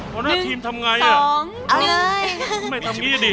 คเรียนทำอย่างไรเนี่ย